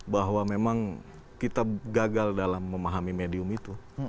bahwa memang kita gagal dalam memahami medium itu